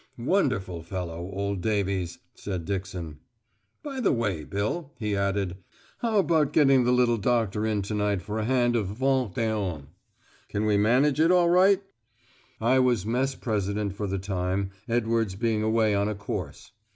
"Wonderful fellow, old Davies," said Dixon. "By the way, Bill," he added. "How about getting the little doctor in to night for a hand of vingt et un? Can we manage it all right?" I was Mess president for the time, Edwards being away on a course.